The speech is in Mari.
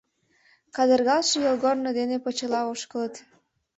Кадыргалше йолгорно дене почела ошкылыт.